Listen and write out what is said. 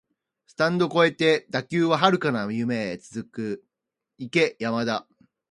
スタンド超えて打球は遥かな夢へと続く、行け山田